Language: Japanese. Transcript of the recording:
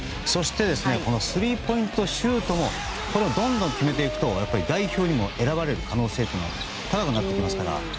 そしてスリーポイントシュートもどんどん決めていくと代表にも選ばれる可能性が高くなってきますから。